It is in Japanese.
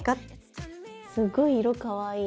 すごい色かわいい。